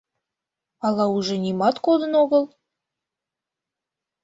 Ала уже нимат кодын огыл?